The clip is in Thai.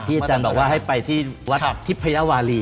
อาจารย์บอกว่าให้ไปที่วัดทิพยาวารี